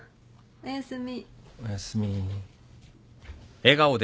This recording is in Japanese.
おやすみ。